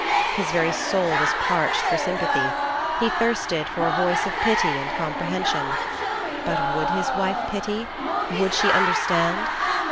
His very soul was parched for sympathy; he thirsted for a voice of pity and comprehension. But would his wife pity? Would she understand?